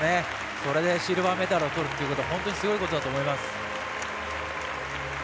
これでシルバーメダルをとるということは本当にすごいことだと思います。